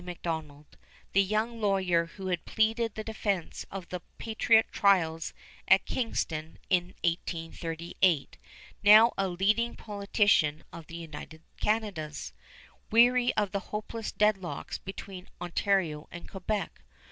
Macdonald, the young lawyer who had pleaded the defense of the patriot trials at Kingston in 1838, now a leading politician of the United Canadas, weary of the hopeless deadlocks between Ontario and Quebec.